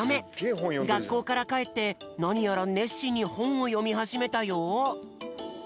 がっこうからかえってなにやらねっしんにほんをよみはじめたよ。